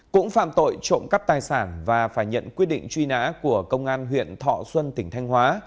cũng phạm tội trộm cắp tài sản và phải nhận quyết định truy nã của công an huyện thọ xuân tỉnh thanh hóa